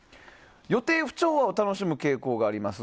予定不調和を楽しむ傾向があります。